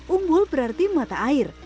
umbul berarti mata air